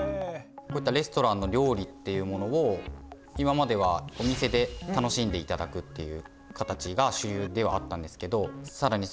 こういったレストランの料理っていうものを今まではお店で楽しんでいただくっていう形が主流ではあったんですけどさらに